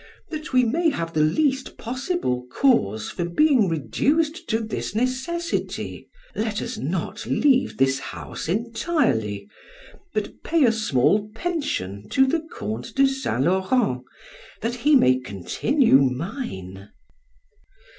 That we may have the least possible cause for being reduced to this necessity, let us not leave this house entirely, but pay a small pension to the Count of Saint Laurent, that he may continue mine.